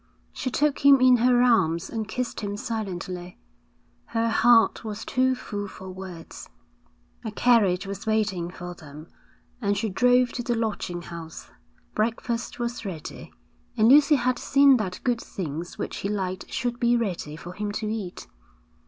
She took him in her arms and kissed him silently. Her heart was too full for words. A carriage was waiting for them, and she drove to the lodging house; breakfast was ready, and Lucy had seen that good things which he liked should be ready for him to eat.